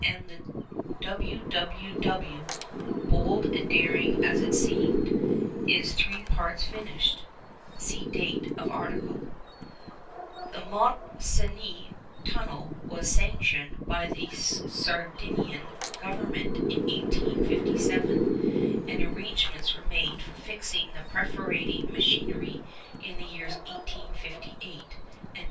And the wwww—bold and daring as it seemed—is three parts finished. (See date of article.) The Mont Cenis tunnel was sanctioned by the Sardinian Government in 1857, and arrangements were made for fixing the perforating machinery in the years 1858 and 1859.